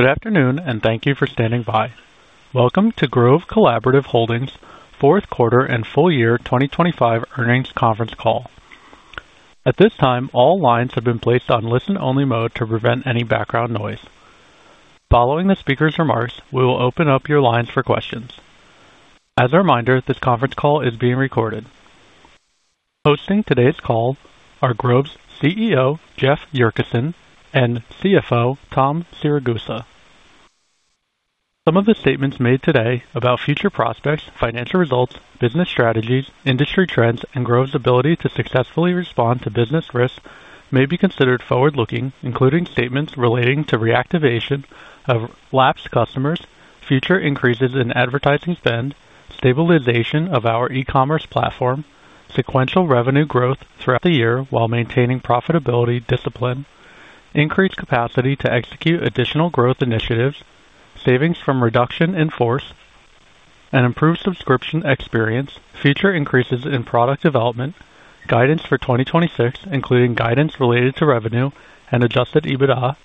Good afternoon, thank you for standing by. Welcome to Grove Collaborative Holdings fourth quarter and full year 2025 earnings conference call. At this time, all lines have been placed on listen-only mode to prevent any background noise. Following the speaker's remarks, we will open up your lines for questions. As a reminder, this conference call is being recorded. Hosting today's call are Grove's CEO, Jeff Yurcisin, and CFO Tom Siragusa. Some of the statements made today about future prospects, financial results, business strategies, industry trends, and Grove's ability to successfully respond to business risks may be considered forward-looking, including statements relating to reactivation of lapsed customers, future increases in advertising spend, stabilization of our e-commerce platform, sequential revenue growth throughout the year while maintaining profitability discipline, increased capacity to execute additional growth initiatives, savings from reduction in force and improved subscription experience, future increases in product development, guidance for 2026, including guidance related to revenue and adjusted EBITDA,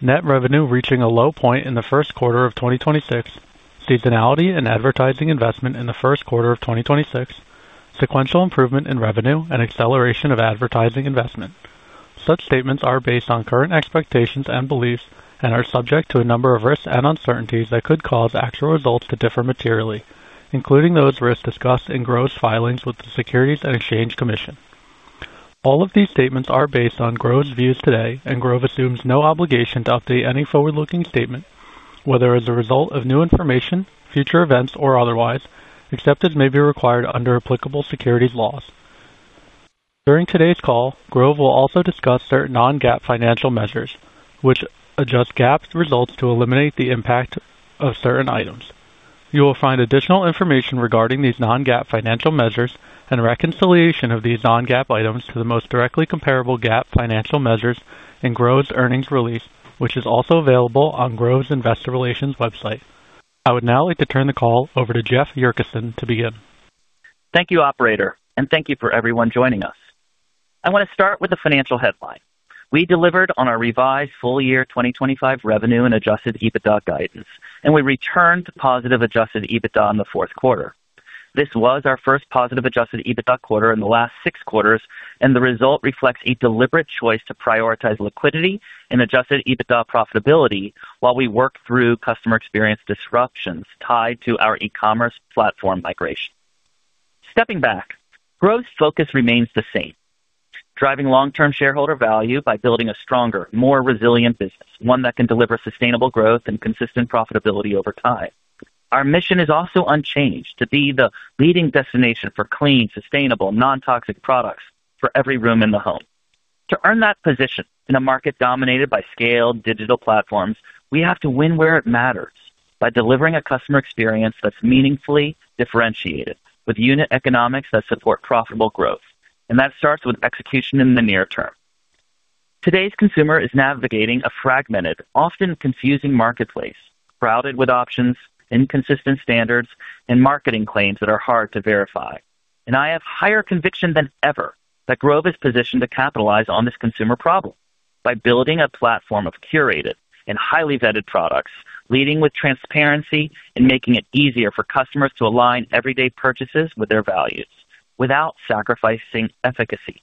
net revenue reaching a low point in the first quarter of 2026, seasonality and advertising investment in the first quarter of 2026, sequential improvement in revenue and acceleration of advertising investment. Such statements are based on current expectations and beliefs and are subject to a number of risks and uncertainties that could cause actual results to differ materially, including those risks discussed in Grove's filings with the Securities and Exchange Commission. All of these statements are based on Grove's views today. Grove assumes no obligation to update any forward-looking statement, whether as a result of new information, future events, or otherwise, except as may be required under applicable securities laws. During today's call, Grove will also discuss certain non-GAAP financial measures, which adjust GAAP's results to eliminate the impact of certain items. You will find additional information regarding these non-GAAP financial measures and reconciliation of these non-GAAP items to the most directly comparable GAAP financial measures in Grove's earnings release, which is also available on Grove's investor relations website. I would now like to turn the call over to Jeff Yurcisin to begin. Thank you, Operator, and thank you for everyone joining us. I want to start with the financial headline. We delivered on our revised full year 2025 revenue and adjusted EBITDA guidance, and we returned to positive adjusted EBITDA in the fourth quarter. This was our first positive adjusted EBITDA quarter in the last six quarters, and the result reflects a deliberate choice to prioritize liquidity and adjusted EBITDA profitability while we work through customer experience disruptions tied to our e-commerce platform migration. Stepping back, Grove's focus remains the same. Driving long-term shareholder value by building a stronger, more resilient business, one that can deliver sustainable growth and consistent profitability over time. Our mission is also unchanged to be the leading destination for clean, sustainable, non-toxic products for every room in the home. To earn that position in a market dominated by scaled digital platforms, we have to win where it matters by delivering a customer experience that's meaningfully differentiated with unit economics that support profitable growth. That starts with execution in the near term. Today's consumer is navigating a fragmented, often confusing marketplace crowded with options, inconsistent standards, and marketing claims that are hard to verify. I have higher conviction than ever that Grove is positioned to capitalize on this consumer problem by building a platform of curated and highly vetted products, leading with transparency and making it easier for customers to align everyday purchases with their values without sacrificing efficacy.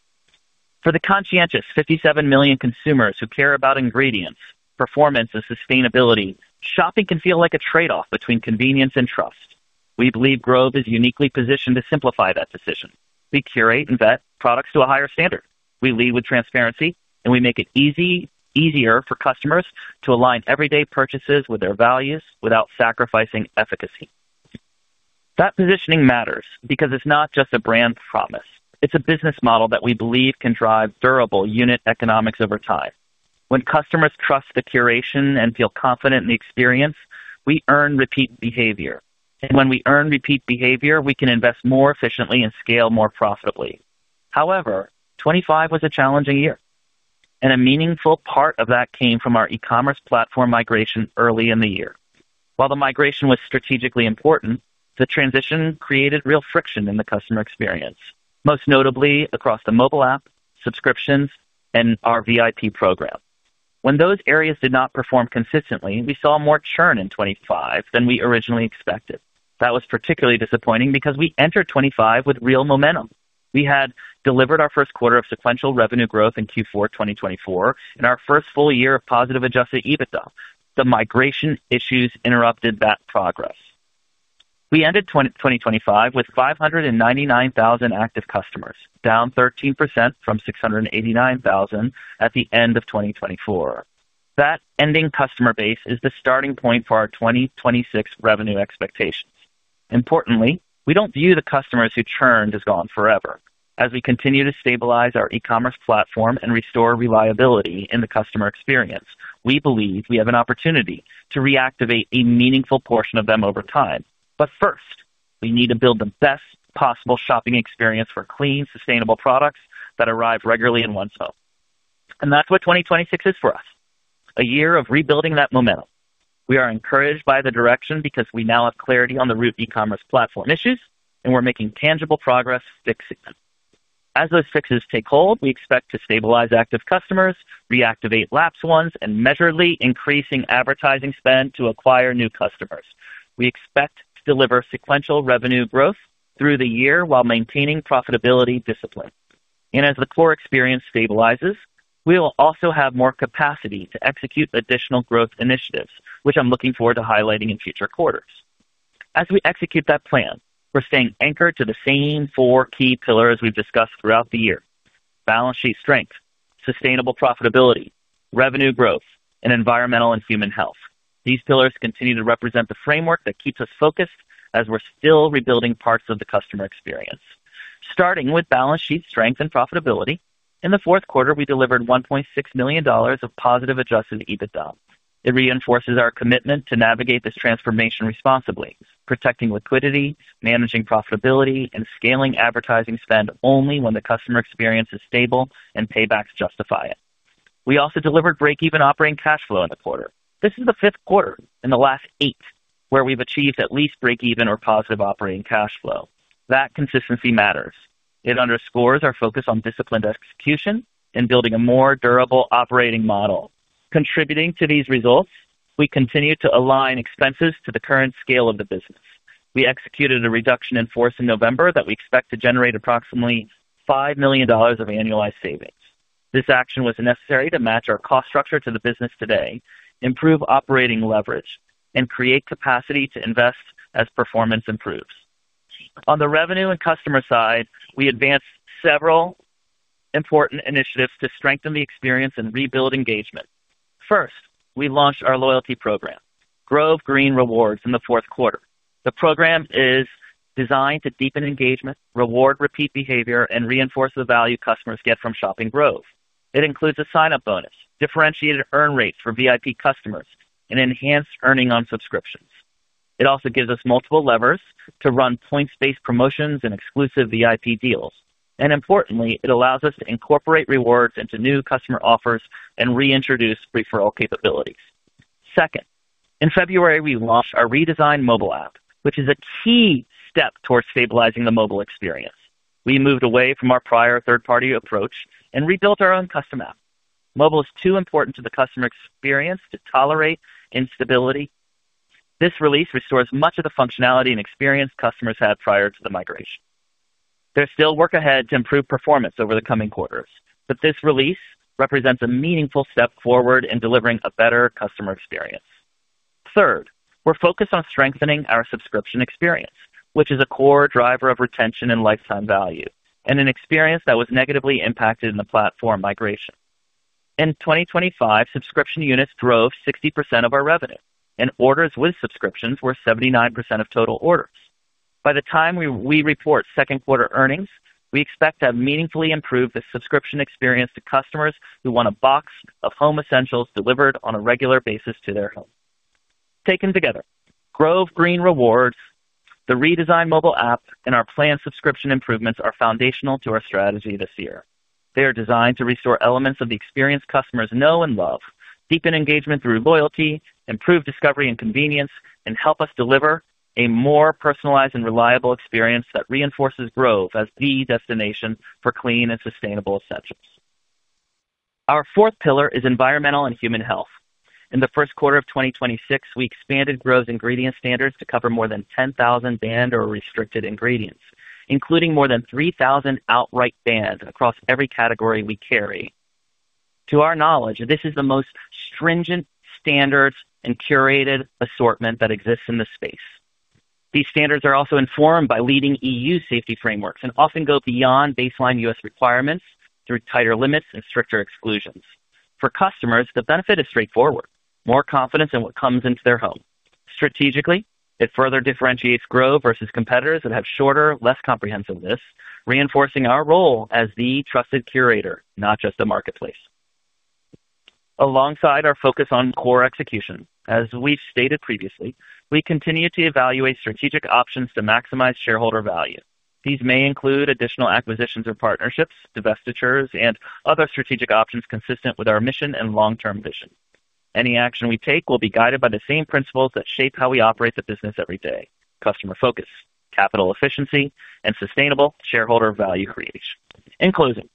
For the conscientious 57 million consumers who care about ingredients, performance, and sustainability, shopping can feel like a trade-off between convenience and trust. We believe Grove is uniquely positioned to simplify that decision. We curate and vet products to a higher standard. We lead with transparency. We make it easier for customers to align everyday purchases with their values without sacrificing efficacy. That positioning matters because it's not just a brand promise. It's a business model that we believe can drive durable unit economics over time. When customers trust the curation and feel confident in the experience, we earn repeat behavior. When we earn repeat behavior, we can invest more efficiently and scale more profitably. However, 2025 was a challenging year, and a meaningful part of that came from our e-commerce platform migration early in the year. While the migration was strategically important, the transition created real friction in the customer experience, most notably across the mobile app, subscriptions, and our VIP program. When those areas did not perform consistently, we saw more churn in 2025 than we originally expected. That was particularly disappointing because we entered 2025 with real momentum. We had delivered our first quarter of sequential revenue growth in Q4 2024 and our first full year of positive adjusted EBITDA. The migration issues interrupted that progress. We ended 2025 with 599,000 active customers, down 13% from 689,000 at the end of 2024. That ending customer base is the starting point for our 2026 revenue expectations. Importantly, we don't view the customers who churned as gone forever. As we continue to stabilize our e-commerce platform and restore reliability in the customer experience, we believe we have an opportunity to reactivate a meaningful portion of them over time. First, we need to build the best possible shopping experience for clean, sustainable products that arrive regularly in one's home. That's what 2026 is for us, a year of rebuilding that momentum. We are encouraged by the direction because we now have clarity on the root of e-commerce platform issues, and we're making tangible progress fixing them. Those fixes take hold, we expect to stabilize active customers, reactivate lapsed ones, and measurably increasing advertising spend to acquire new customers. We expect to deliver sequential revenue growth through the year while maintaining profitability discipline. As the core experience stabilizes, we will also have more capacity to execute additional growth initiatives, which I'm looking forward to highlighting in future quarters. We execute that plan, we're staying anchored to the same four key pillars we've discussed throughout the year. Balance sheet strength, sustainable profitability, revenue growth, and environmental and human health. These pillars continue to represent the framework that keeps us focused as we're still rebuilding parts of the customer experience. Starting with balance sheet strength and profitability. In the fourth quarter, we delivered $1.6 million of positive adjusted EBITDA. It reinforces our commitment to navigate this transformation responsibly, protecting liquidity, managing profitability, and scaling advertising spend only when the customer experience is stable and paybacks justify it. We also delivered break-even operating cash flow in the quarter. This is the fifth quarter in the last eight where we've achieved at least break-even or positive operating cash flow. That consistency matters. It underscores our focus on disciplined execution and building a more durable operating model. Contributing to these results, we continue to align expenses to the current scale of the business. We executed a reduction in force in November that we expect to generate approximately $5 million of annualized savings. This action was necessary to match our cost structure to the business today, improve operating leverage, and create capacity to invest as performance improves. On the revenue and customer side, we advanced several important initiatives to strengthen the experience and rebuild engagement. First, we launched our loyalty program, Grove Green Rewards, in the fourth quarter. The program is designed to deepen engagement, reward repeat behavior, and reinforce the value customers get from shopping Grove. It includes a sign-up bonus, differentiated earn rates for VIP customers, and enhanced earning on subscriptions. It also gives us multiple levers to run points-based promotions and exclusive VIP deals. Importantly, it allows us to incorporate rewards into new customer offers and reintroduce referral capabilities. In February, we launched our redesigned mobile app, which is a key step towards stabilizing the mobile experience. We moved away from our prior third-party approach and rebuilt our own custom app. Mobile is too important to the customer experience to tolerate instability. This release restores much of the functionality and experience customers had prior to the migration. There's still work ahead to improve performance over the coming quarters, but this release represents a meaningful step forward in delivering a better customer experience. We're focused on strengthening our subscription experience, which is a core driver of retention and lifetime value, and an experience that was negatively impacted in the platform migration. In 2025, subscription units drove 60% of our revenue and orders with subscriptions were 79% of total orders. By the time we report second quarter earnings, we expect to have meaningfully improved the subscription experience to customers who want a box of home essentials delivered on a regular basis to their home. Taken together, Grove Green Rewards, the redesigned mobile app, and our planned subscription improvements are foundational to our strategy this year. They are designed to restore elements of the experience customers know and love, deepen engagement through loyalty, improve discovery and convenience, and help us deliver a more personalized and reliable experience that reinforces Grove as the destination for clean and sustainable essentials. Our fourth pillar is environmental and human health. In the first quarter of 2026, we expanded Grove's ingredient standards to cover more than 10,000 banned or restricted ingredients, including more than 3,000 outright bans across every category we carry. To our knowledge, this is the most stringent standards and curated assortment that exists in this space. These standards are also informed by leading EU safety frameworks and often go beyond baseline US requirements through tighter limits and stricter exclusions. For customers, the benefit is straightforward: more confidence in what comes into their home. Strategically, it further differentiates Grove versus competitors that have shorter, less comprehensive lists, reinforcing our role as the trusted curator, not just the marketplace. Alongside our focus on core execution, as we've stated previously, we continue to evaluate strategic options to maximize shareholder value. These may include additional acquisitions or partnerships, divestitures, and other strategic options consistent with our mission and long-term vision. Any action we take will be guided by the same principles that shape how we operate the business every day customer focus, capital efficiency, and sustainable shareholder value creation. In closing,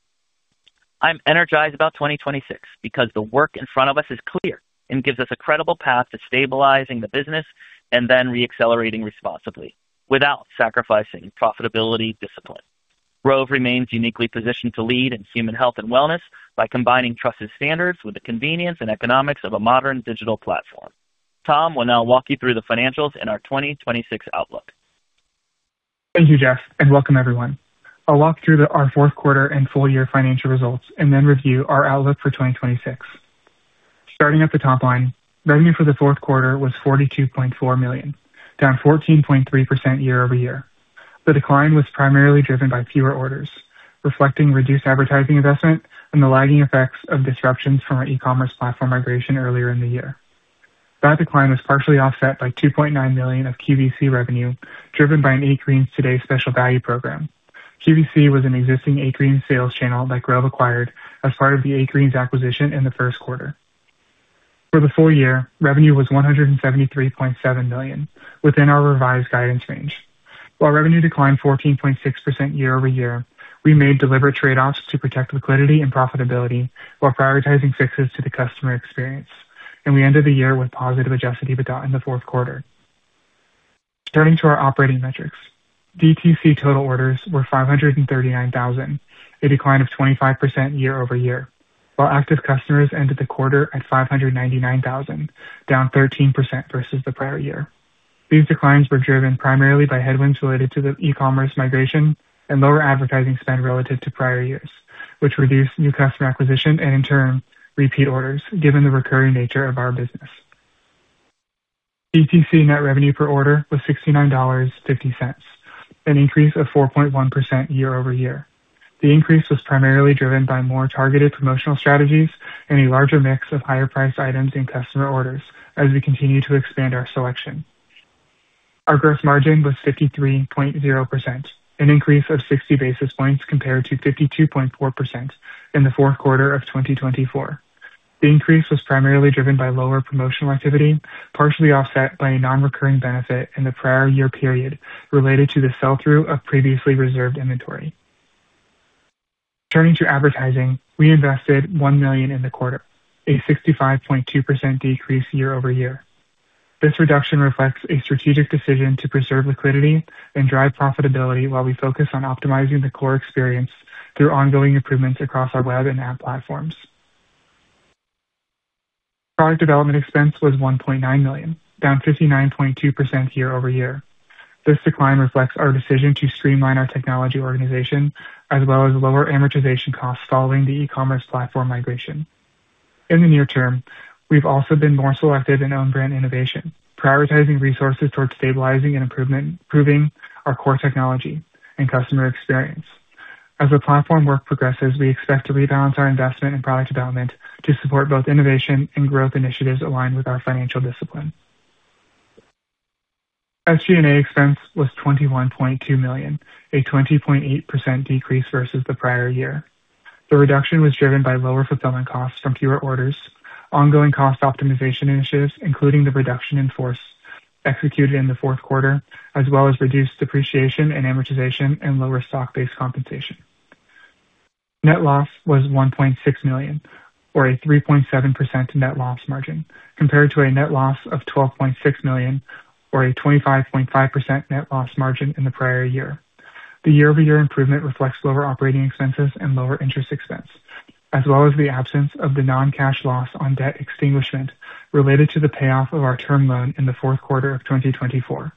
I'm energized about 2026 because the work in front of us is clear and gives us a credible path to stabilizing the business and then re-accelerating responsibly without sacrificing profitability discipline. Grove remains uniquely positioned to lead in human health and wellness by combining trusted standards with the convenience and economics of a modern digital platform. Tom will now walk you through the financials and our 2026 outlook. Thank you, Jeff, and welcome everyone. I'll walk through our fourth quarter and full year financial results and then review our outlook for 2026. Starting at the top line, revenue for the fourth quarter was $42.4 million, down 14.3% year-over-year. The decline was primarily driven by fewer orders, reflecting reduced advertising investment and the lagging effects of disruptions from our e-commerce platform migration earlier in the year. That decline was partially offset by $2.9 million of QVC revenue, driven by an 8Greens Today's Special Value program. QVC was an existing 8Greens sales channel that Grove acquired as part of the 8Greens acquisition in the first quarter. For the full year, revenue was $173.7 million, within our revised guidance range. While revenue declined 14.6% year-over-year, we made deliberate trade-offs to protect liquidity and profitability while prioritizing fixes to the customer experience. We ended the year with positive adjusted EBITDA in the fourth quarter. Turning to our operating metrics. DTC total orders were 539,000, a decline of 25% year-over-year. While active customers ended the quarter at 599,000, down 13% versus the prior year. These declines were driven primarily by headwinds related to the e-commerce migration and lower advertising spend relative to prior years, which reduced new customer acquisition and in turn, repeat orders, given the recurring nature of our business. DTC net revenue per order was $69.50, an increase of 4.1% year-over-year. The increase was primarily driven by more targeted promotional strategies and a larger mix of higher priced items in customer orders as we continue to expand our selection. Our gross margin was 53.0%, an increase of 60 basis points compared to 52.4% in the fourth quarter of 2024. The increase was primarily driven by lower promotional activity, partially offset by a non-recurring benefit in the prior year period related to the sell-through of previously reserved inventory. Turning to advertising. We invested $1 million in the quarter, a 65.2% decrease year-over-year. This reduction reflects a strategic decision to preserve liquidity and drive profitability while we focus on optimizing the core experience through ongoing improvements across our web and app platforms. Product development expense was $1.9 million, down 59.2% year-over-year. This decline reflects our decision to streamline our technology organization as well as lower amortization costs following the e-commerce platform migration. In the near term, we've also been more selective in own brand innovation, prioritizing resources towards stabilizing and improving our core technology and customer experience. As the platform work progresses, we expect to rebalance our investment in product development to support both innovation and growth initiatives aligned with our financial discipline. SG&A expense was $21.2 million, a 20.8% decrease versus the prior year. The reduction was driven by lower fulfillment costs from fewer orders, ongoing cost optimization initiatives, including the reduction in force executed in the fourth quarter, as well as reduced depreciation and amortization and lower stock-based compensation. Net loss was $1.6 million, or a 3.7% net loss margin, compared to a net loss of $12.6 million or a 25.5% net loss margin in the prior year. The year-over-year improvement reflects lower operating expenses and lower interest expense, as well as the absence of the non-cash loss on debt extinguishment related to the payoff of our term loan in the fourth quarter of 2024.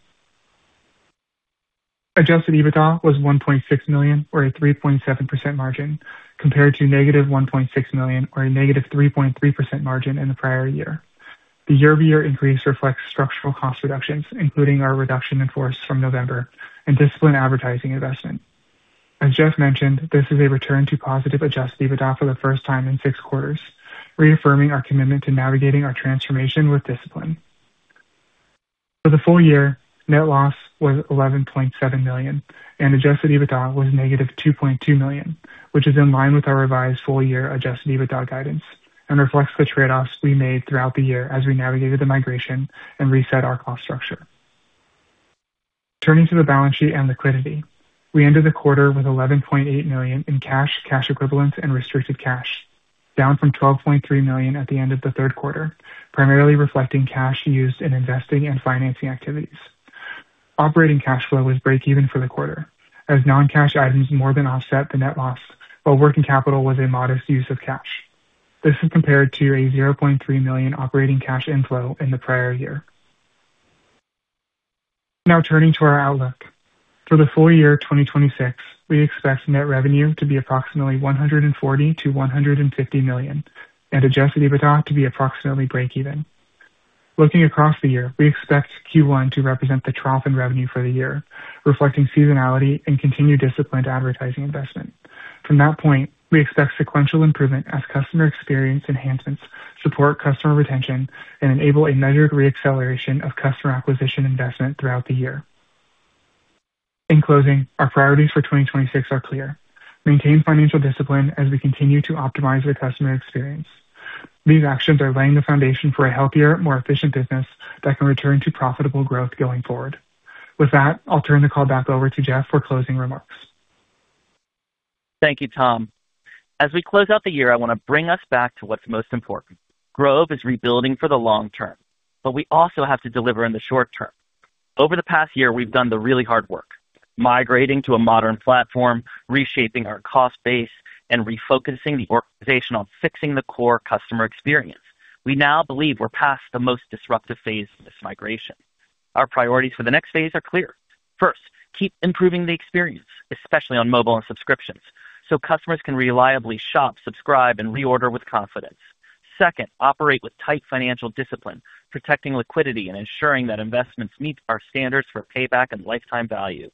Adjusted EBITDA was $1.6 million or a 3.7% margin compared to -$1.6 million or a -3.3% margin in the prior year. The year-over-year increase reflects structural cost reductions, including our reduction in force from November and disciplined advertising investment. As Jeff mentioned, this is a return to positive adjusted EBITDA for the first time in six quarters, reaffirming our commitment to navigating our transformation with discipline. For the full year, net loss was $11.7 million and adjusted EBITDA was -$2.2 million, which is in line with our revised full year adjusted EBITDA guidance and reflects the trade-offs we made throughout the year as we navigated the migration and reset our cost structure. Turning to the balance sheet and liquidity. We ended the quarter with $11.8 million in cash equivalents and restricted cash, down from $12.3 million at the end of the third quarter, primarily reflecting cash used in investing and financing activities. Operating cash flow was breakeven for the quarter as non-cash items more than offset the net loss, while working capital was a modest use of cash. This is compared to a $0.3 million operating cash inflow in the prior year. Now turning to our outlook. For the full year 2026, we expect net revenue to be approximately $140 million-$150 million and adjusted EBITDA to be approximately breakeven. Looking across the year, we expect Q1 to represent the trough in revenue for the year, reflecting seasonality and continued disciplined advertising investment. From that point, we expect sequential improvement as customer experience enhancements support customer retention and enable a measured re-acceleration of customer acquisition investment throughout the year. In closing, our priorities for 2026 are clear. Maintain financial discipline as we continue to optimize the customer experience. These actions are laying the foundation for a healthier, more efficient business that can return to profitable growth going forward. With that, I'll turn the call back over to Jeff for closing remarks. Thank you, Tom. As we close out the year, I wanna bring us back to what's most important. Grove is rebuilding for the long term, but we also have to deliver in the short term. Over the past year, we've done the really hard work, migrating to a modern platform, reshaping our cost base, and refocusing the organization on fixing the core customer experience. We now believe we're past the most disruptive phase of this migration. Our priorities for the next phase are clear. First, keep improving the experience, especially on mobile and subscriptions, so customers can reliably shop, subscribe, and reorder with confidence. Second, operate with tight financial discipline, protecting liquidity and ensuring that investments meet our standards for payback and lifetime value.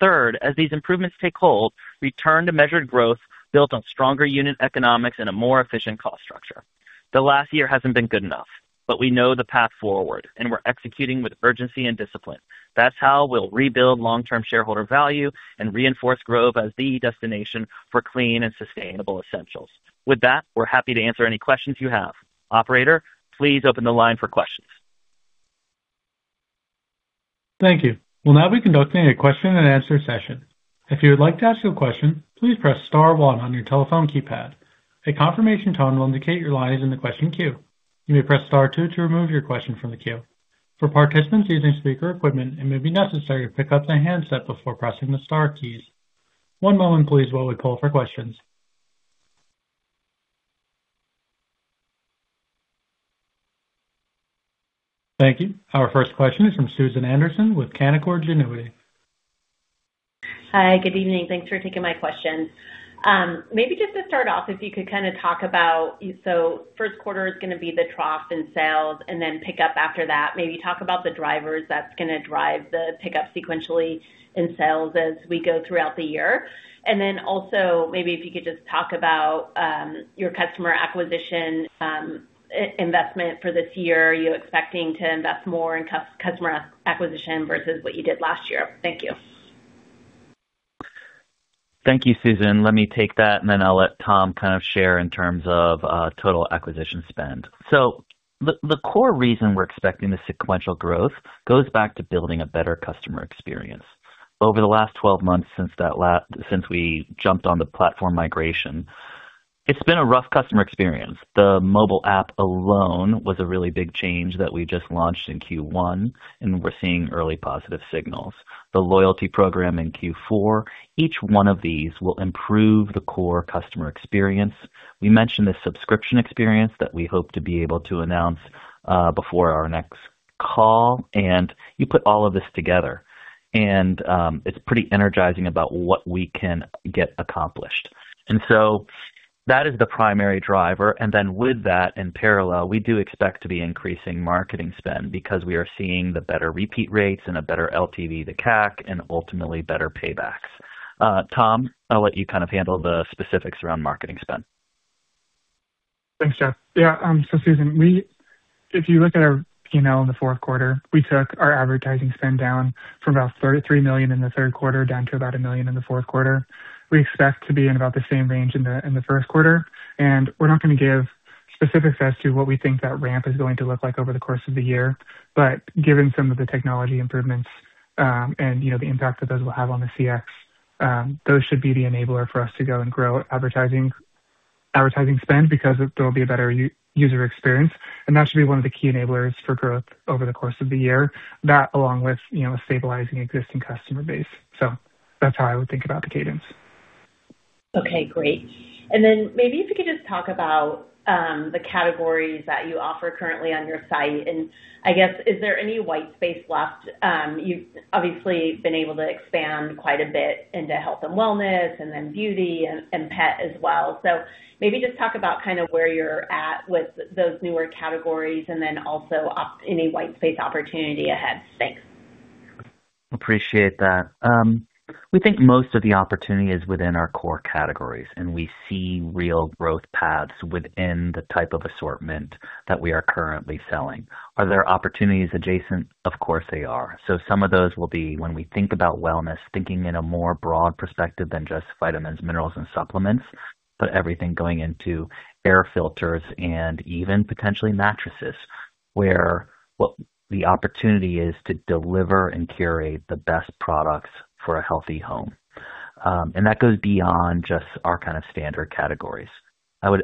Third, as these improvements take hold, return to measured growth built on stronger unit economics and a more efficient cost structure. The last year hasn't been good enough, but we know the path forward and we're executing with urgency and discipline. That's how we'll rebuild long-term shareholder value and reinforce Grove as the destination for clean and sustainable essentials. With that, we're happy to answer any questions you have. Operator, please open the line for questions. Thank you. We'll now be conducting a question and answer session. If you would like to ask a question, please press star one on your telephone keypad. A confirmation tone will indicate your line is in the question queue. You may press star two to remove your question from the queue. For participants using speaker equipment, it may be necessary to pick up the handset before pressing the star keys. One moment please while we call for questions. Thank you. Our first question is from Susan Anderson with Canaccord Genuity. Hi. Good evening. Thanks for taking my questions. Maybe just to start off, if you could kind of talk about... First quarter is gonna be the trough in sales and then pick up after that. Maybe talk about the drivers that's gonna drive the pickup sequentially in sales as we go throughout the year. Also maybe if you could just talk about your customer acquisition investment for this year. Are you expecting to invest more in customer acquisition versus what you did last year? Thank you. Thank you, Susan. Let me take that, and then I'll let Tom kind of share in terms of total acquisition spend. The core reason we're expecting the sequential growth goes back to building a better customer experience. Over the last 12 months since we jumped on the platform migration, it's been a rough customer experience. The mobile app alone was a really big change that we just launched in Q1, and we're seeing early positive signals. The loyalty program in Q4, each one of these will improve the core customer experience. We mentioned the subscription experience that we hope to be able to announce before our next call. You put all of this together, and it's pretty energizing about what we can get accomplished. That is the primary driver. With that, in parallel, we do expect to be increasing marketing spend because we are seeing the better repeat rates and a better LTV to CAC and ultimately better paybacks. Tom, I'll let you kind of handle the specifics around marketing spend. Thanks, Jeff. Yeah, if you look at our P&L in the fourth quarter, we took our advertising spend down from about $33 million in the third quarter down to about $1 million in the fourth quarter. We expect to be in about the same range in the first quarter, we're not gonna give specifics as to what we think that ramp is going to look like over the course of the year. Given some of the technology improvements, you know, the impact that those will have on the CX, those should be the enabler for us to go and grow advertising spend because there will be a better user experience, that should be one of the key enablers for growth over the course of the year. That along with, you know, stabilizing existing customer base. That's how I would think about the cadence. Okay, great. Maybe if you could just talk about the categories that you offer currently on your site. And I guess is there any white space left? You've obviously been able to expand quite a bit into health and wellness and then beauty and pet as well. Maybe just talk about kind of where you're at with those newer categories and then also any white space opportunity ahead. Thanks. Appreciate that. We think most of the opportunity is within our core categories, and we see real growth paths within the type of assortment that we are currently selling. Are there opportunities adjacent? Of course, there are. Some of those will be when we think about wellness, thinking in a more broad perspective than just vitamins, minerals, and supplements, but everything going into air filters and even potentially mattresses, where what the opportunity is to deliver and curate the best products for a healthy home. And that goes beyond just our kind of standard categories. I would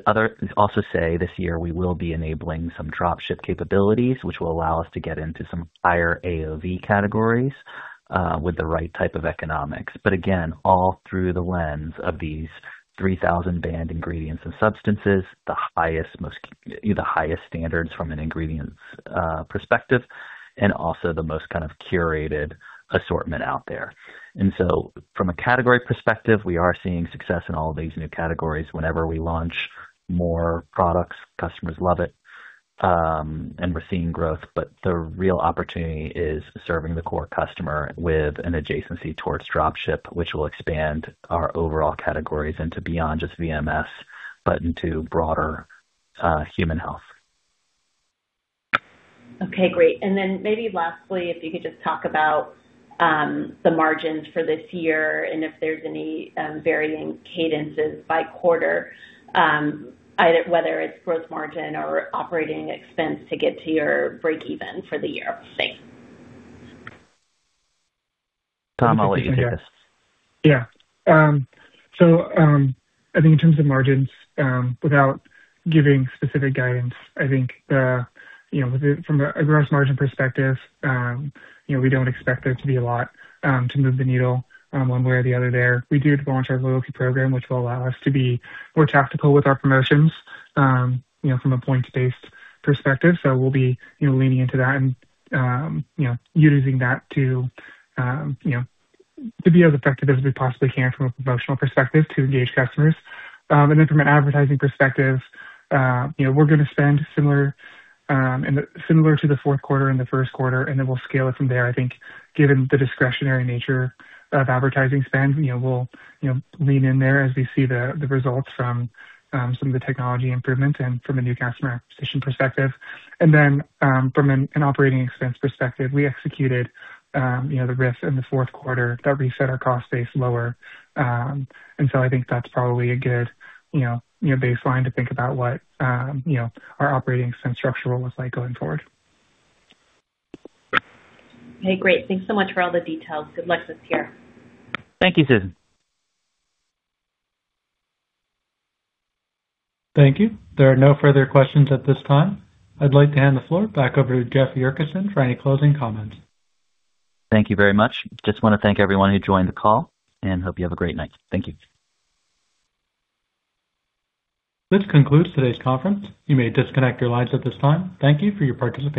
also say this year we will be enabling some dropship capabilities, which will allow us to get into some higher AOV categories with the right type of economics. Again, all through the lens of these 3,000 banned ingredients and substances, the highest standards from an ingredients perspective and also the most kind of curated assortment out there. From a category perspective, we are seeing success in all of these new categories. Whenever we launch more products, customers love it, and we're seeing growth, but the real opportunity is serving the core customer with an adjacency towards dropship, which will expand our overall categories into beyond just VMS, but into broader human health. Okay, great. Maybe lastly, if you could just talk about the margins for this year and if there's any varying cadences by quarter, either whether it's gross margin or operating expense to get to your break even for the year. Thanks. Tom, I'll let you take this. Yeah. I think in terms of margins, without giving specific guidance, I think from a gross margin perspective, we don't expect there to be a lot to move the needle one way or the other there. We did launch our loyalty program, which will allow us to be more tactical with our promotions from a points-based perspective. We'll be leaning into that and using that to be as effective as we possibly can from a promotional perspective to engage customers. From an advertising perspective, we're gonna spend similar to the fourth quarter and the first quarter, we'll scale it from there. I think given the discretionary nature of advertising spend, you know, we'll, you know, lean in there as we see the results from some of the technology improvements and from a new customer acquisition perspective. From an operating expense perspective, we executed, you know, the RIF in the fourth quarter that reset our cost base lower. I think that's probably a good, you know, baseline to think about what, you know, our operating expense structure will look like going forward. Okay, great. Thanks so much for all the details. Good luck this year. Thank you, Susan. Thank you. There are no further questions at this time. I'd like to hand the floor back over to Jeff Yurcisin for any closing comments. Thank you very much. Just wanna thank everyone who joined the call, and hope you have a great night. Thank you. This concludes today's conference. You may disconnect your lines at this time. Thank you for your participation.